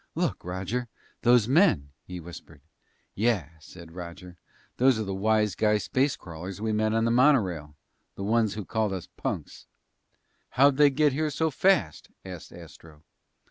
"Look, Roger those men " he whispered. "Yeah," said Roger. "Those are the wise guy space crawlers we met on the monorail, the ones who called us punks!" "How'd they get here so fast?" asked Astro.